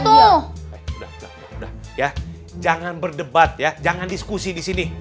udah udah udah ya jangan berdebat ya jangan diskusi disini